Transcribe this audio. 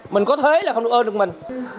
mình có thế là không được ôm được mình